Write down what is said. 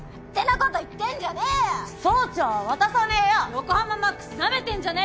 横浜魔苦須なめてんじゃねえぞ。